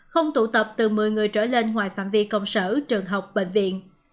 không tụ tập từ một mươi người trở lên ngoài phạm vi công sở trường học bệnh viện